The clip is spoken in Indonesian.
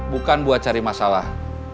bukan buat cari masalah